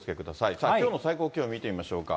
さあ、きょうの最高気温見てみましょうか。